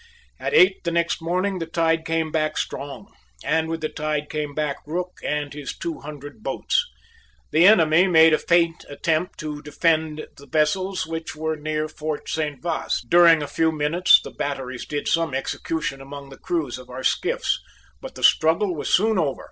At eight the next morning the tide came back strong; and with the tide came back Rooke and his two hundred boats. The enemy made a faint attempt to defend the vessels which were near Fort Saint Vaast. During a few minutes the batteries did some execution among the crews of our skiffs; but the struggle was soon over.